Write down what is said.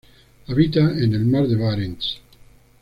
Habita en el Mar de Barents.